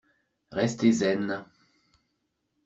Restez zen!